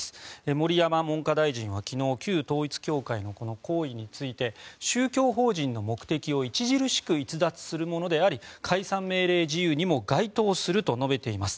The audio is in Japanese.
盛山文科大臣は昨日旧統一教会の行為について、宗教法人の目的を著しく逸脱するものであり解散命令事由にも該当すると述べています。